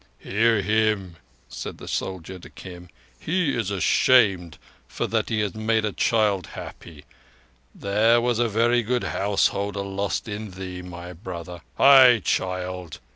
"Hear him!" said the soldier to Kim. "He is ashamed for that he has made a child happy. There was a very good householder lost in thee, my brother. Hai, child!"